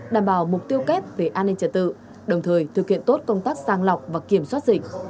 đảm bảo mục tiêu kép về an ninh trật tự đồng thời thực hiện tốt công tác sang lọc và kiểm soát dịch